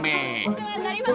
お世話になります。